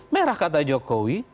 merah kata jokowi